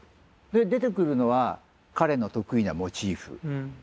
で出てくるのは彼の得意なモチーフ。